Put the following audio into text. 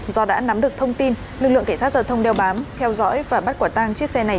do đã nắm được thông tin lực lượng cảnh sát giao thông đeo bám theo dõi và bắt quả tang chiếc xe này